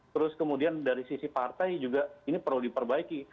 terus kemudian dari sisi partai juga ini perlu diperbaiki